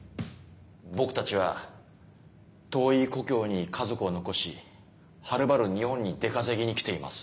「僕たちは遠い故郷に家族を残しはるばる日本に出稼ぎに来ています」。